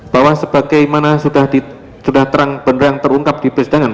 bahwa sebagaimana sudah terang benerang terungkap di persidangan